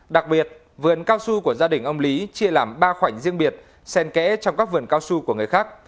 đặc biệt vườn cao su của gia đình ông lý chia làm ba khoảnh riêng biệt sen kẽ trong các vườn cao su của người khác